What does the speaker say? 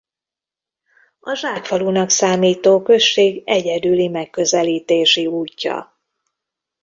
A zsákfalunak számító község egyedüli megközelítési útja.